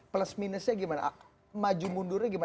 plus minusnya gimana maju mundurnya gimana